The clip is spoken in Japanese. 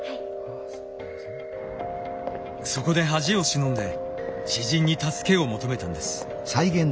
そこで恥を忍んで知人に助けを求めたんです。